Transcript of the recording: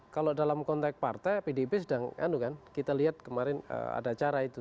kalau dalam konteks partai pdb sedang itu kan kita lihat kemarin ada acara itu